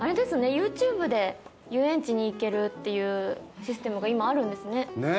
ＹｏｕＴｕｂｅで遊園地に行けるっていうシステムが今あるんですね。ねぇ。